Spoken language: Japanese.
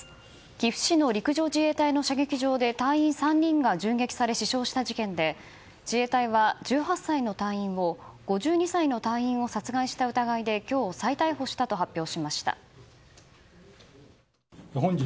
岐阜市の陸上自衛隊の射撃場で隊員３人が銃撃され死傷した事件で自衛隊は１８歳の隊員を５２歳の隊員を殺害した疑いで今日、再逮捕したと発表しました。